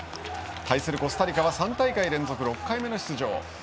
対するコスタリカは３大会連続６回目の出場。